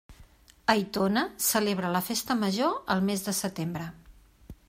Aitona celebra la festa major al mes de setembre.